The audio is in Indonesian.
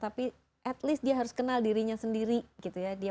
tapi setidaknya dia harus kenal dirinya sendiri gitu ya